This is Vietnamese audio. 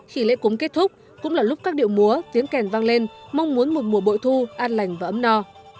khi lễ cúng kết thúc cũng là lúc các điệu múa tiếng kèn vang lên mong muốn một mùa bội thu an lành và ấm no